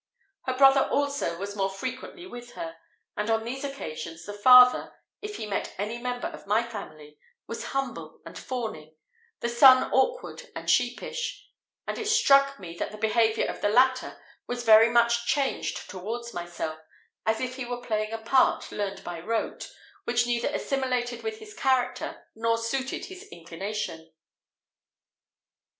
Her brother, also, was more frequently with her; and on these occasions, the father, if he met any member of my family, was humble and fawning, the son awkward and sheepish; and it struck me that the behaviour of the latter was very much changed towards myself, as if he were playing a part learned by rote, which neither assimilated with his character nor suited his inclination.